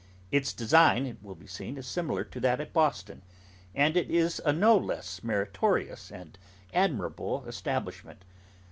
Its design, it will be seen, is similar to that at Boston; and it is a no less meritorious and admirable establishment.